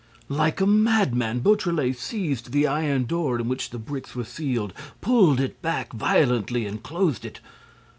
Like a madman, Beautrelet seized the iron door in which the bricks were sealed, pulled it back, violently and closed it.